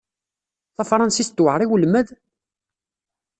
Tafṛensist tewɛeṛ i welmad?